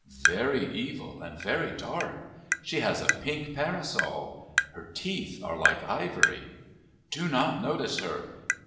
"Very evil and very dark. She has a pink parasol. Her teeth are like ivory." "Do not notice her.